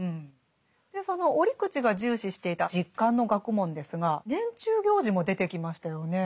その折口が重視していた実感の学問ですが年中行事も出てきましたよね。